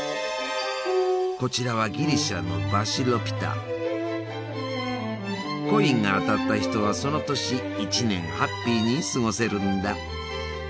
こちらはギリシャのコインが当たった人はその年一年ハッピーに過ごせるんだ。